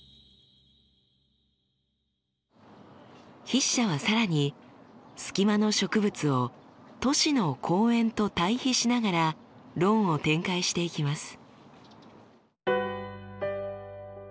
筆者は更にスキマの植物を都市の公園と対比しながら論を展開していきます。